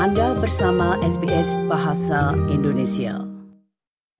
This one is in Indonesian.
anda bersama sbs bahasa indonesia